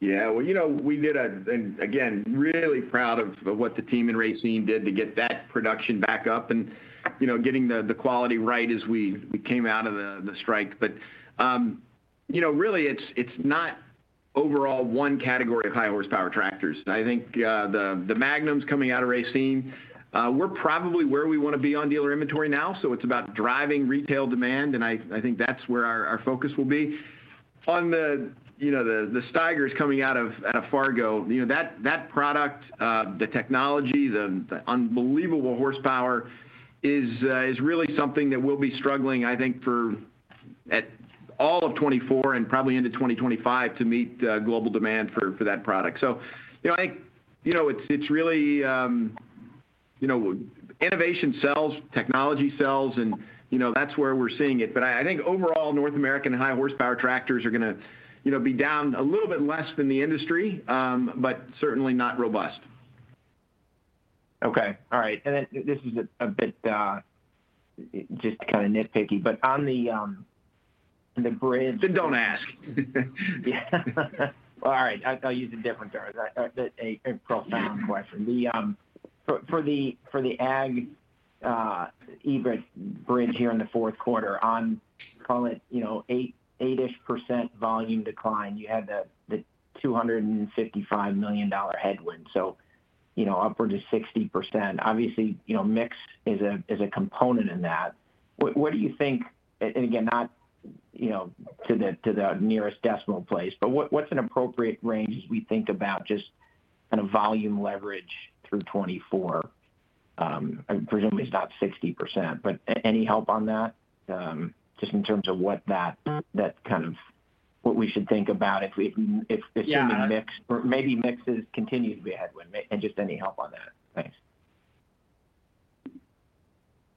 Yeah, well, you know, we did-- and again, really proud of what the team in Racine did to get that production back up and, you know, getting the quality right as we came out of the strike. But, you know, really, it's not overall one category of high horsepower tractors. I think, the Magnums coming out of Racine, we're probably where we want to be on dealer inventory now, so it's about driving retail demand, and I think that's where our focus will be. On the, you know, the Steigers coming out of Fargo, you know, that product, the technology, the unbelievable horsepower is really something that we'll be struggling, I think, for all of 2024 and probably into 2025 to meet global demand for that product. So, you know, I think, you know, it's, it's really, you know, innovation sells, technology sells, and, you know, that's where we're seeing it. But I, I think overall, North American high horsepower tractors are gonna, you know, be down a little bit less than the industry, but certainly not robust. Okay, all right. And then this is a bit, just kind of nitpicky, but on the bridge- Then don't ask. Yeah. All right, I'll use a different term, a profound question. For the ag EBIT bridge here in the fourth quarter on, call it, you know, 8-ish% volume decline, you had the $255 million headwind. So, you know, upward to 60%. Obviously, you know, mix is a component in that. What do you think, and again, not, you know, to the nearest decimal place, but what's an appropriate range as we think about just kind of volume leverage through 2024? I presumably it's not 60%, but any help on that, just in terms of what that, that kind of what we should think about if we- Yeah. If assuming mix or maybe mix continues to be a headwind, and just any help on that? Thanks.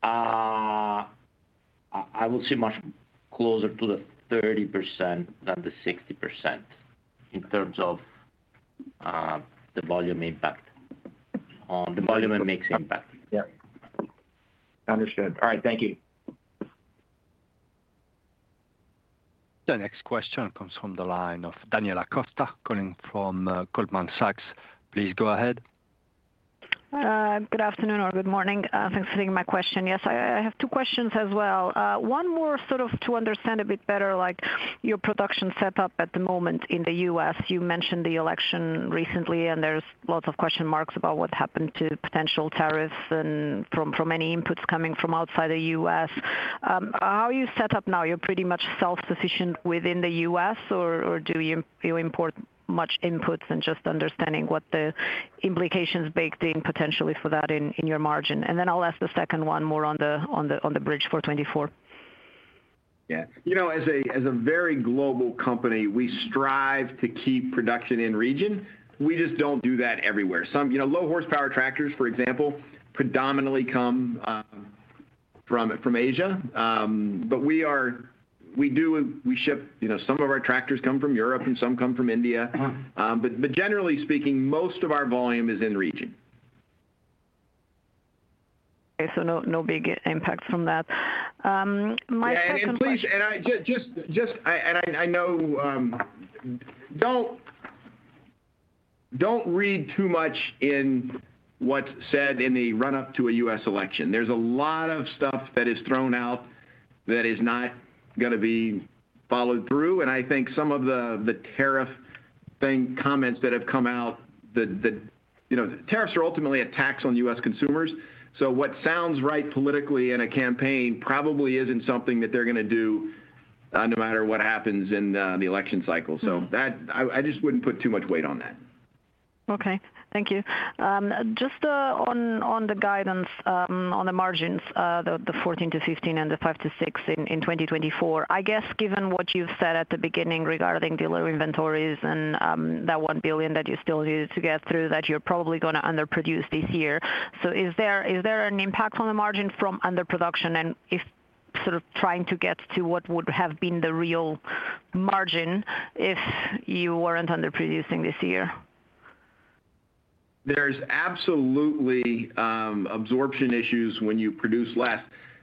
I would say much closer to the 30% than the 60% in terms of the volume impact on- Got it. The volume and mix impact. Yep. Understood. All right. Thank you. The next question comes from the line of Daniela Costa, calling from Goldman Sachs. Please go ahead. Good afternoon or good morning. Thanks for taking my question. Yes, I have two questions as well. One more sort of to understand a bit better, like your production set up at the moment in the U.S. You mentioned the election recently, and there's lots of question marks about what happened to potential tariffs and from any inputs coming from outside the U.S. How are you set up now? You're pretty much self-sufficient within the U.S., or do you import much inputs and just understanding what the implications baked in potentially for that in your margin? And then I'll ask the second one more on the bridge for 2024. Yeah. You know, as a very global company, we strive to keep production in region. We just don't do that everywhere. Some, you know, low horsepower tractors, for example, predominantly come from Asia. But we do ship, you know, some of our tractors come from Europe, and some come from India. Uh-huh. But generally speaking, most of our volume is in region. Okay, so no, no big impact from that. My second question- Please, I know. Don't read too much in what's said in the run-up to a U.S. election. There's a lot of stuff that is thrown out that is not gonna be followed through, and I think some of the tariff thing comments that have come out, that you know, tariffs are ultimately a tax on U.S. consumers. So what sounds right politically in a campaign probably isn't something that they're gonna do, no matter what happens in the election cycle. Mm. So, I just wouldn't put too much weight on that. Okay, thank you. Just on the guidance on the margins, the 14%-15% and the 5%-6% in 2024. I guess, given what you've said at the beginning regarding dealer inventories and that $1 billion that you still need to get through, that you're probably gonna underproduce this year. So is there an impact on the margin from underproduction? And if sort of trying to get to what would have been the real margin if you weren't underproducing this year. There's absolutely absorption issues when you produce less.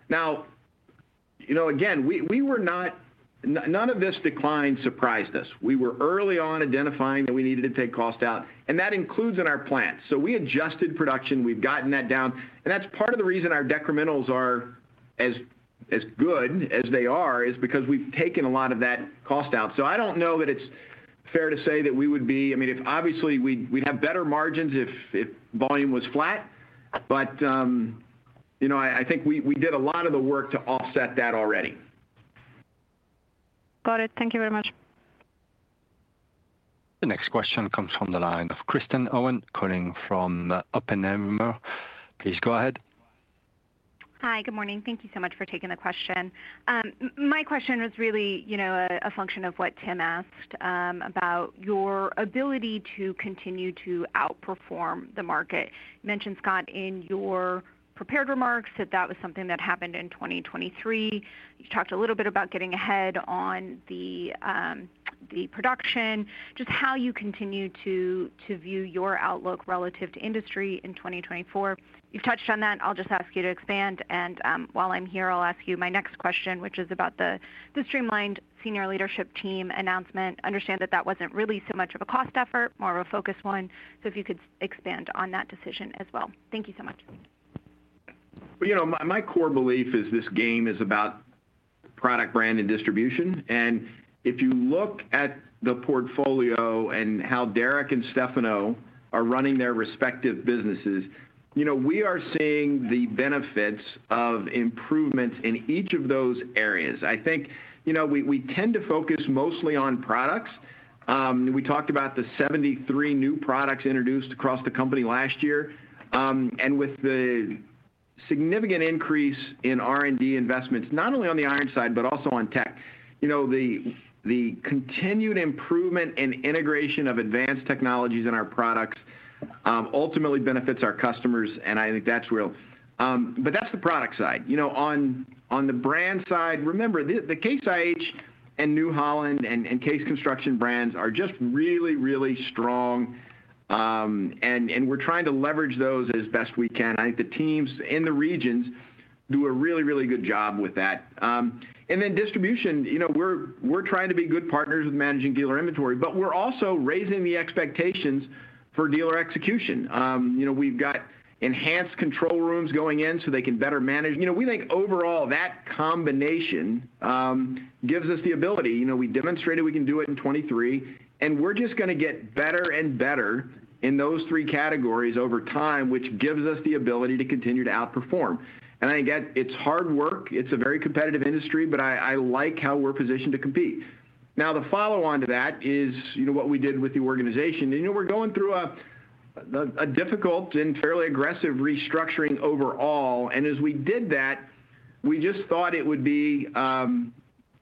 Now, you know, again, none of this decline surprised us. We were early on identifying that we needed to take cost out, and that includes in our plant. So we adjusted production, we've gotten that down, and that's part of the reason our decrementals are as good as they are, is because we've taken a lot of that cost out. So I don't know that it's fair to say that we would be... I mean, if obviously we, we'd have better margins if volume was flat, but, you know, I think we did a lot of the work to offset that already. Got it. Thank you very much. The next question comes from the line of Kristen Owen, calling from the Oppenheimer. Please go ahead. Hi, good morning. Thank you so much for taking the question. My question was really, you know, a function of what Tim asked about your ability to continue to outperform the market. You mentioned, Scott, in your prepared remarks, that that was something that happened in 2023. You talked a little bit about getting ahead on the production, just how you continue to view your outlook relative to industry in 2024. You've touched on that, and I'll just ask you to expand, and while I'm here, I'll ask you my next question, which is about the streamlined senior leadership team announcement. Understand that that wasn't really so much of a cost effort, more of a focus one. So if you could expand on that decision as well. Thank you so much. But, you know, my, my core belief is this game is about product brand and distribution. And if you look at the portfolio and how Derek and Stefano are running their respective businesses, you know, we are seeing the benefits of improvements in each of those areas. I think, you know, we, we tend to focus mostly on products. We talked about the 73 new products introduced across the company last year. And with the significant increase in R&D investments, not only on the iron side, but also on tech. You know, the, the continued improvement and integration of advanced technologies in our products, ultimately benefits our customers, and I think that's real. But that's the product side. You know, on the brand side, remember, the Case IH and New Holland and Case Construction brands are just really, really strong, and we're trying to leverage those as best we can. I think the teams in the regions do a really, really good job with that. And then distribution, you know, we're trying to be good partners with managing dealer inventory, but we're also raising the expectations for dealer execution. You know, we've got enhanced control rooms going in, so they can better manage. You know, we think overall, that combination gives us the ability. You know, we demonstrated we can do it in 2023, and we're just gonna get better and better in those three categories over time, which gives us the ability to continue to outperform. And again, it's hard work. It's a very competitive industry, but I like how we're positioned to compete. Now, the follow-on to that is, you know, what we did with the organization. You know, we're going through a difficult and fairly aggressive restructuring overall, and as we did that, we just thought it would be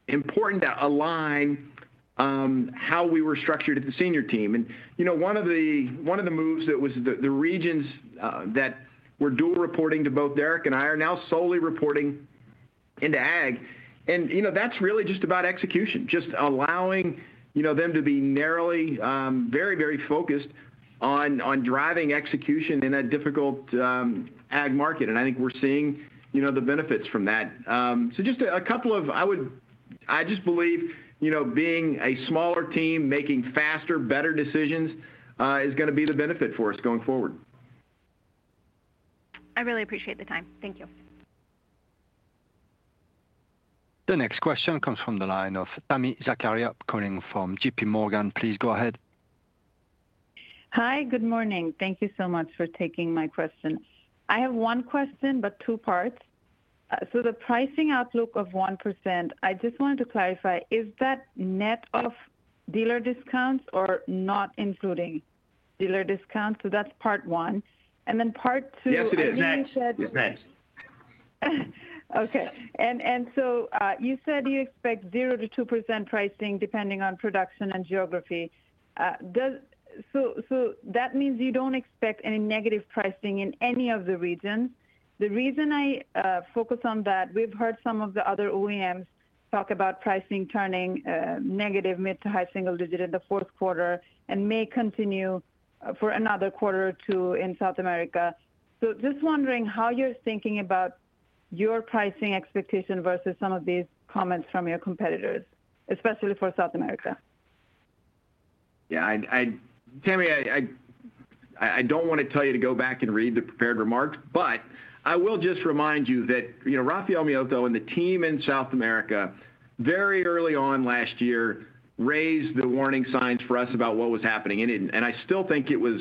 important to align how we were structured at the senior team. And, you know, one of the moves that was the regions that were dual reporting to both Derek and I are now solely reporting into ag. And, you know, that's really just about execution, just allowing, you know, them to be narrowly very, very focused on driving execution in a difficult ag market. And I think we're seeing, you know, the benefits from that. So just a couple of... I just believe, you know, being a smaller team, making faster, better decisions, is gonna be the benefit for us going forward. I really appreciate the time. Thank you. The next question comes from the line of Tami Zakaria, calling from JPMorgan. Please go ahead. Hi, good morning. Thank you so much for taking my question. I have one question, but two parts. So the pricing outlook of 1%, I just wanted to clarify, is that net of dealer discounts or not including dealer discounts? So that's part one, and then part two- Yes, it is. Net. It's net. Okay. And so you said you expect 0%-2% pricing depending on production and geography. So that means you don't expect any negative pricing in any of the regions? The reason I focus on that, we've heard some of the other OEMs talk about pricing turning negative mid- to high-single-digit in the fourth quarter and may continue for another quarter or two in South America. So just wondering how you're thinking about your pricing expectation versus some of these comments from your competitors, especially for South America. Yeah, Tami, I don't want to tell you to go back and read the prepared remarks, but I will just remind you that, you know, Rafael Miotto and the team in South America, very early on last year, raised the warning signs for us about what was happening. And I still think it was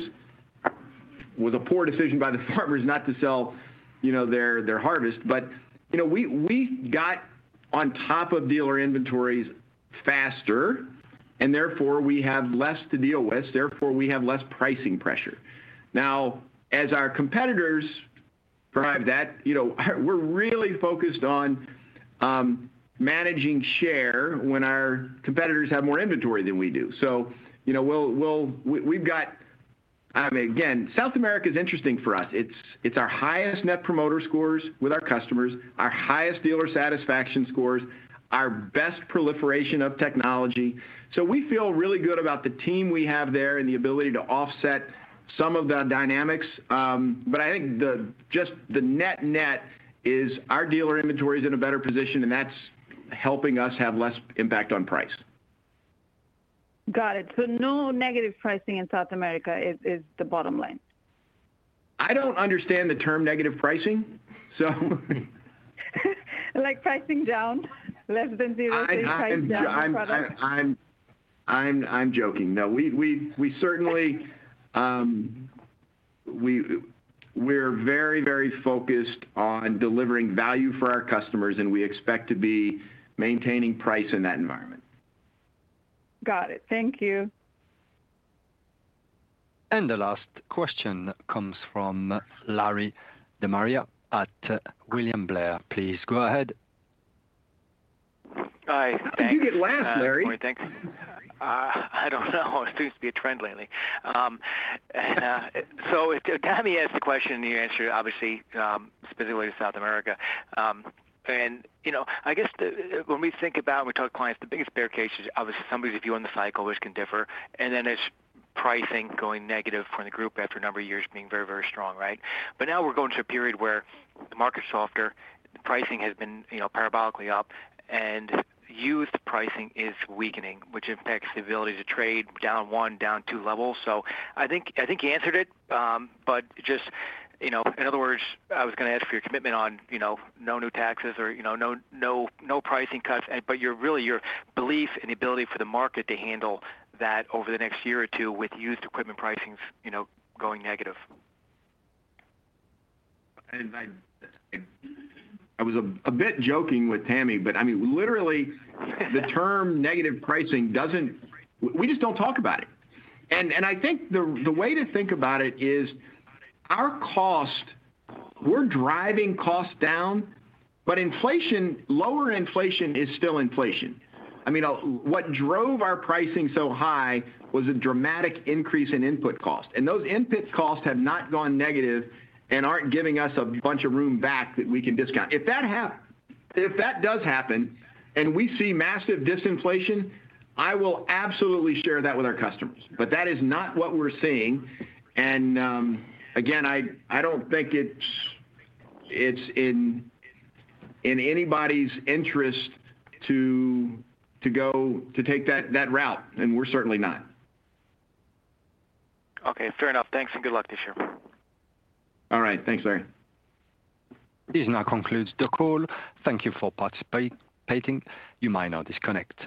a poor decision by the farmers not to sell, you know, their harvest. But, you know, we got on top of dealer inventories faster, and therefore, we have less to deal with. Therefore, we have less pricing pressure. Now, as our competitors derive that, you know, we're really focused on managing share when our competitors have more inventory than we do. So, you know, we've got, I mean, again, South America is interesting for us. It's our highest Net Promoter Scores with our customers, our highest dealer satisfaction scores, our best proliferation of technology. So we feel really good about the team we have there and the ability to offset some of the dynamics. But I think just the net-net is our dealer inventory is in a better position, and that's helping us have less impact on price. Got it. So no negative pricing in South America is the bottom line? I don't understand the term negative pricing, so... Like pricing down, less than zero- I, I- Pricing down products. I'm joking. No, we certainly, we're very, very focused on delivering value for our customers, and we expect to be maintaining price in that environment. Got it. Thank you. The last question comes from Larry De Maria at William Blair. Please go ahead. Hi. Thanks. You get last, Larry. Thanks. I don't know. It seems to be a trend lately. So Tami asked the question, and you answered, obviously, specifically to South America. And, you know, I guess the, when we think about, we tell clients the biggest bear case is obviously somebody's view on the cycle, which can differ, and then it's pricing going negative for the group after a number of years being very, very strong, right? But now we're going through a period where the market's softer, pricing has been, you know, parabolically up, and used pricing is weakening, which impacts the ability to trade down one, down two levels. So I think, I think you answered it, but just, you know, in other words, I was gonna ask for your commitment on, you know, no new taxes or, you know, no, no, no pricing cuts, but really, your belief in the ability for the market to handle that over the next year or two with used equipment pricings, you know, going negative. I was a bit joking with Tami, but I mean, literally, the term negative pricing doesn't—we just don't talk about it. I think the way to think about it is, our costs, we're driving costs down, but inflation, lower inflation is still inflation. I mean, what drove our pricing so high was a dramatic increase in input cost, and those input costs have not gone negative and aren't giving us a bunch of room back that we can discount. If that does happen and we see massive disinflation, I will absolutely share that with our customers, but that is not what we're seeing. Again, I don't think it's in anybody's interest to go to take that route, and we're certainly not. Okay, fair enough. Thanks, and good luck this year. All right. Thanks, Larry. This now concludes the call. Thank you for participating. You may now disconnect.